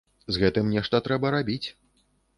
З гэтым нешта трэба рабіць.